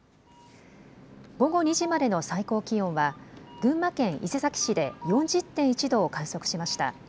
午後２時までの最高気温は群馬県伊勢崎市で４０．１度を観測しました。